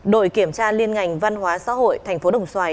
đội kiểm tra liên ngành văn hóa xã hội thành phố đồng xoài